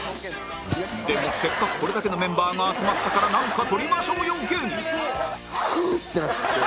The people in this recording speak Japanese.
でもせっかくこれだけのメンバーが集まったから何か撮りましょうよ芸人フゥーッてなって。